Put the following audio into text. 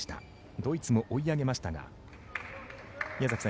ドイツも追い上げましたが宮崎さん